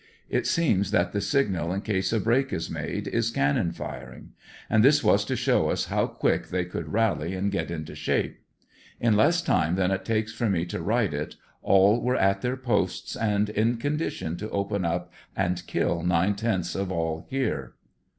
It seems that the signal in case a break is made, is cannon firing. And this was to show us how quick they could rally and get into shape In less time than it takes for me to write it, all were at their posts and in condition to open up and kill nine tenths of all here.